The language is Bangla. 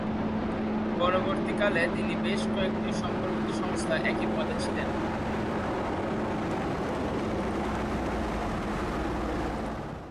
পরবর্তীকালে তিনি বেশ কয়েকটি সম্পর্কিত সংস্থায় একই পদে ছিলেন।